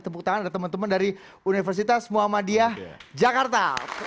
tepuk tangan ada teman teman dari universitas muhammadiyah jakarta